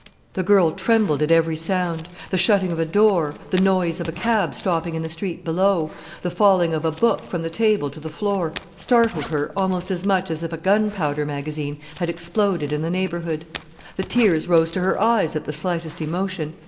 The girl trembled at every sound. The shutting of a door, the noise of a cab stopping in the street below, the falling of a book from the table to the floor, startled her almost as much as if a gunpowder magazine had exploded in the neighbourhood. The tears rose to her eyes at the slightest emotion.